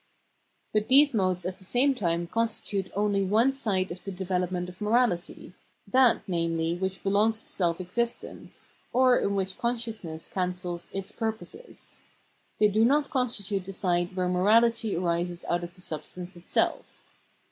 But these modes at the same time constitute only one side of the develop ment of morality, that, namely, which belongs to self existence, or in which consciousness cancels its pur poses ; they do not constitute the side where morahty arises out of the substance itself.